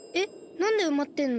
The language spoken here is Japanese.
なんでうまってんの？